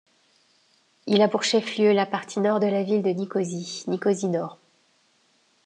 Il a pour chef-lieu la partie nord de la ville de Nicosie, Nicosie-Nord.